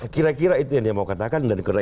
kira kira itu yang dia mau katakan